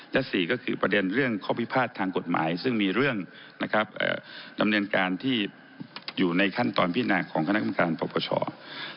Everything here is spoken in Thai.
และ๔ก็คือประเด็นเรื่องข้อพิพาททางกฎหมายซึ่งมีเรื่องนะครับดำเนินการที่อยู่ในขั้นตอนพินาของคณะกรรมการปรปช